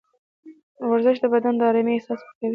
ورزش د بدن د ارامۍ احساس ورکوي.